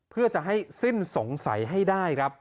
เพื่อจะให้สิ้นสงสัยให้ได้ครับ